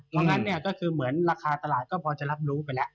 เพราะงั้นเนี่ยก็คือเหมือนราคาตลาดก็พอจะรับรู้ไปแล้ว